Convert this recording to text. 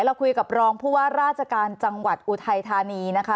เราคุยกับรองผู้ว่าราชการจังหวัดอุทัยธานีนะคะ